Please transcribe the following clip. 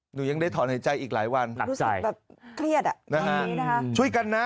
หนูยังได้ถอนหายใจอีกหลายวันรู้สึกแบบเครียดอ่ะนะฮะช่วยกันนะ